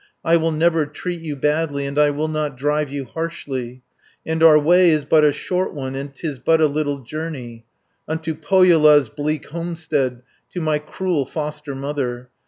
I will never treat you badly, And I will not drive you harshly, And our way is but a short one, And 'tis but a little journey, Unto Pohjola's bleak homestead, To my cruel foster mother.